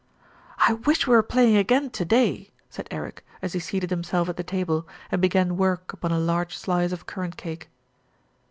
"I wish we were playing again to day," said Eric, as he seated himself at the table, and began work upon a large slice of currant cake.